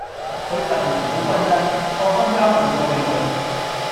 佢份人好均真，放心交盤數比佢